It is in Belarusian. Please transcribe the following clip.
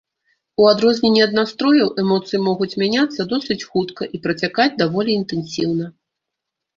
У адрозненне ад настрояў, эмоцыі могуць мяняцца досыць хутка і працякаць даволі інтэнсіўна.